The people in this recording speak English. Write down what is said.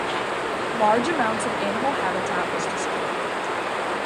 Large amounts of animal habitat was destroyed.